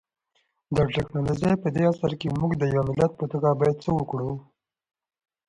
د ټکنالوژۍ پدې عصر کي مونږ د يو ملت په توګه بايد څه وکړو؟